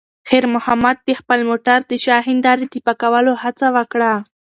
خیر محمد د خپل موټر د شا د هیندارې د پاکولو هڅه وکړه.